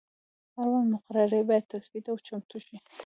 اړونده مقررې باید تثبیت او چمتو شي.